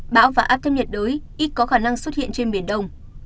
bão và áp thấp nhiệt đới ít có khả năng xuất hiện trên biển đông